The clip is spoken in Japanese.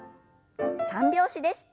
三拍子です。